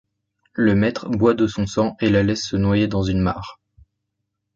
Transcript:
Le Maître boit de son sang et la laisse se noyer dans une mare.